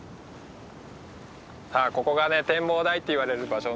さあここが展望台っていわれる場所になります。